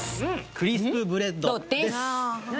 クリスプブレッドです・何？